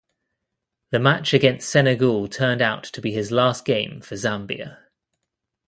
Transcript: The match against Senegal turned out to be his last game for Zambia.